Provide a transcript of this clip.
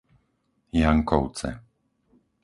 Jankovce